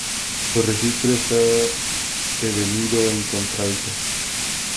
Su registro estaba devenido en contralto.